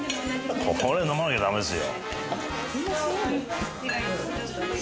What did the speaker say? ここで飲まなきゃダメですよ。